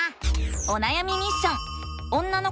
おなやみミッション！